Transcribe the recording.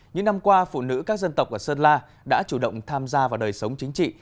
những năm qua phụ nữ các dân tộc ở sơn la đã chủ động tham gia vào đời sống chính trị